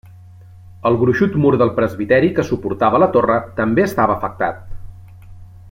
El gruixut mur del presbiteri que suportava la torre també estava afectat.